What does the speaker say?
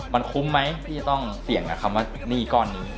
มันคุ้มไหมที่จะต้องเสี่ยงกับคำว่าหนี้ก้อนนี้